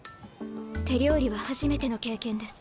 手料理は初めての経験です。